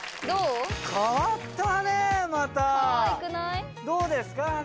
どうですか？